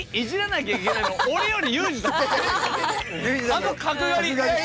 あの角刈り。